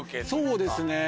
そうですね。